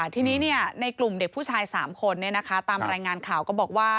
ทีนี้ในกลุ่มเด็กผู้ชาย๓คนตามรายงานข่าวก็บอกว่า